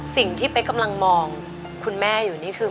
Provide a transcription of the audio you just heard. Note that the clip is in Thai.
สิ่งที่ไปกำลังมองคุณแม่อยู่นี่คือ